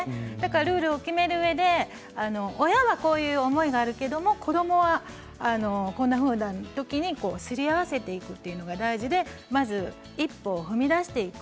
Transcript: ルールを決めるうえで親はこういう思いがあるけれども子どもがこんなふうな時にすり合わせていくというのが大事でまず一歩踏み出していく。